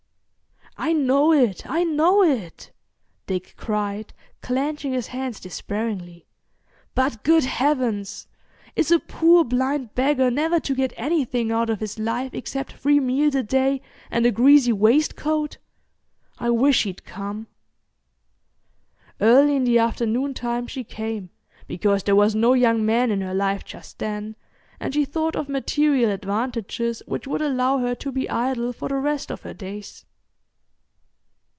"I know it, I know it!" Dick cried, clenching his hands despairingly; "but, good heavens! is a poor blind beggar never to get anything out of his life except three meals a day and a greasy waistcoat? I wish she'd come." Early in the afternoon time she came, because there was no young man in her life just then, and she thought of material advantages which would allow her to be idle for the rest of her days.